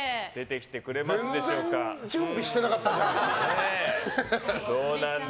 全然準備してなかったじゃん。